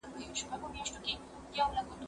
زه به خبري کړې وي!.